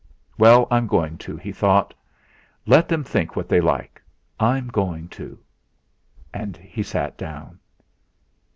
'Well, I'm going to,' he thought, 'let them think what they like. I'm going to!' And he sat down.